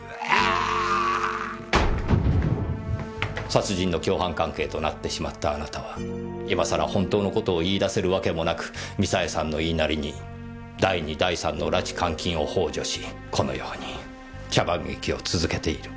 殺人の共犯関係となってしまったあなたは今さら本当のことを言い出せるわけもなくミサエさんの言いなりに第２第３の拉致監禁をほう助しこのように茶番劇を続けている。